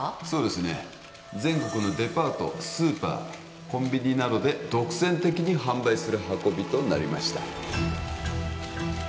そうですね全国のデパートスーパーコンビニなどで独占的に販売する運びとなりました